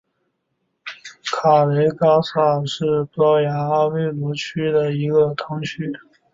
卡雷戈萨是葡萄牙阿威罗区的一个堂区。